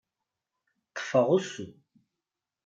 Ṭṭfeɣ usu.